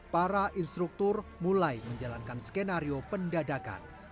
para instruktur mulai menjalankan skenario pendadakan